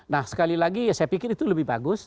nah sekali lagi saya pikir itu lebih bagus